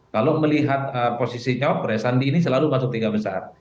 kalau melihat posisi cawapres sandi ini selalu masuk tiga besar